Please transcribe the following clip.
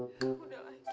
udah aki udah ya sabar aja